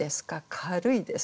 軽いですか？